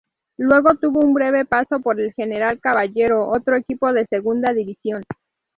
Luego tuvo un breve paso por el General Caballero, otro equipo de Segunda División.